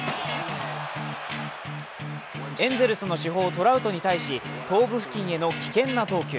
エンゼルスの主砲・トラウトに対し頭部付近への危険な投球。